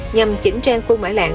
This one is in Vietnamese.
nhằm chỉnh trang khu mã lạng